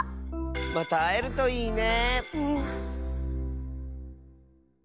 またあえるといいね。